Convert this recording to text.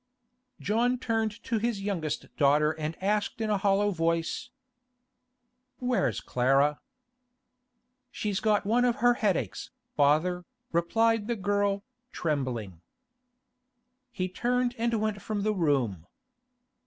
John turned to his youngest daughter and asked in a hollow voice: 'Where's Clara?' 'She's got one of her headaches, father,' replied the girl, trembling. He turned and went from the room.